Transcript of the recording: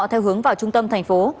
theo hướng vào trung tâm thành phố